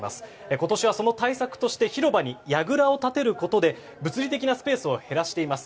今年は、その対策として広場にやぐらを立てることで物理的なスペースを減らしています。